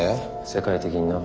世界的にな。